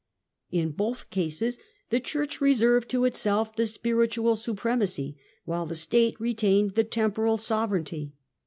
In both cases the Church reserved to itself the spiritual supremacy while the State retained the temporal sovereignty.